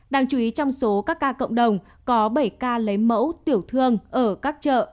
đáng chú ý trong số các ca cộng đồng có bảy ca lấy mẫu tiểu thương ở các chợ